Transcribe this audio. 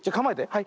はい。